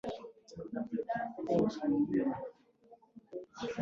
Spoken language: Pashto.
حکومت پانګونې او ثروت تولید ته انګېزه پیدا کوي.